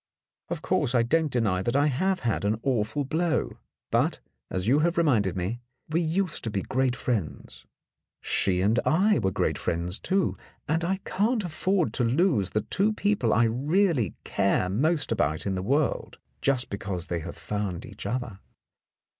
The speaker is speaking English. Of course, I don't deny that I have had an awful blow. But, as you have reminded me, we used to be great friends. She and I were great friends, too, and I can't afford to lose the two people I really care most about in the world, just because they have found each other.